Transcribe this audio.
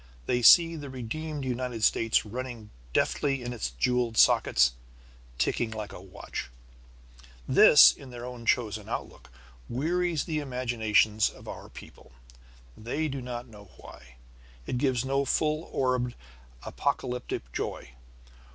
They see the redeemed United States running deftly in its jewelled sockets, ticking like a watch. This, their own chosen outlook, wearies the imaginations of our people, they do not know why. It gives no full orbed apocalyptic joy.